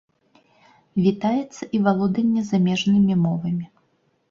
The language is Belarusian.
Вітаецца і валоданне замежнымі мовамі.